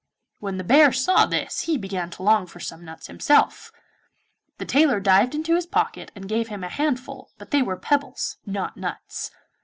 When the bear saw this he began to long for some nuts himself. The tailor dived into his pocket and gave him a handful, but they were pebbles, not nuts.